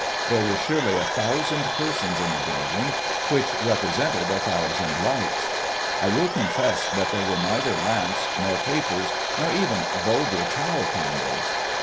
There were surely a thousand persons in the building, which represented a thousand lights. I will confess that these were neither lamps nor tapers nor even vulgar tallow candles.